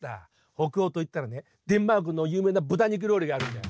北欧といったらねデンマークの有名な豚肉料理があるんだよ。